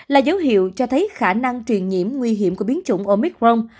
là dấu hiệu cho thấy khả năng truyền nhiễm nguy hiểm của biến chủng omicron